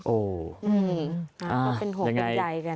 อืมเราเป็นห่วงเป็นใจกันนะ